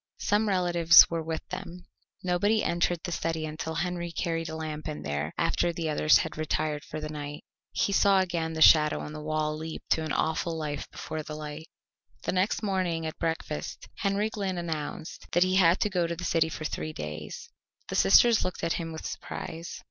Some relatives were with them. Nobody entered the study until Henry carried a lamp in there after the others had retired for the night. He saw again the shadow on the wall leap to an awful life before the light. The next morning at breakfast Henry Glynn announced that he had to go to the city for three days. The sisters looked at him with surprise.